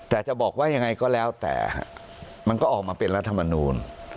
แต่จะบอกว่ายังไงก็แล้วแต่มันก็ออกมาเป็นรัฐมนูล